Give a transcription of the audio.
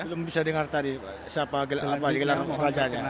belum bisa dengar tadi siapa gelar rajanya